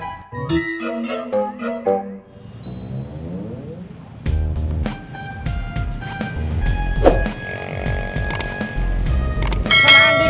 tidak ada apa apa